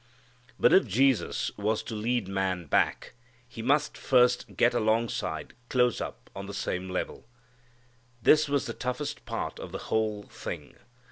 But if Jesus was to lead man back He must first get alongside, close up, on the same level. This was the toughest part of the whole thing.